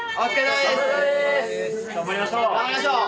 ・頑張りましょう。